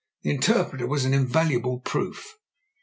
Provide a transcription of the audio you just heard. The interpreter was an invaluable proof."